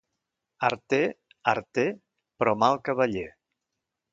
Arter, arter, però mal cavaller.